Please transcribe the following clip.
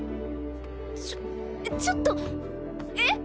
ちょちょっとえっ？